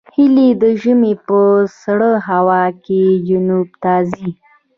هیلۍ د ژمي په سړه هوا کې جنوب ته ځي